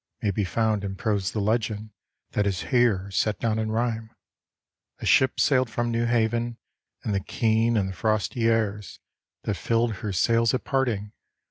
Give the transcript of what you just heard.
May be found in prose the legend That is here set down in rhyme. A ship sailed fram New Haven, And the keen and the frosty airs, T^at iilled her sails at parting.